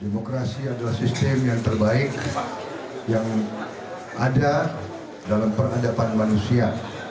demokrasi adalah sistem yang terbaik yang ada dalam peradaban manusia